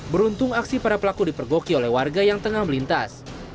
beruntung aksi para pelaku dipergoki oleh warga yang tengah melintas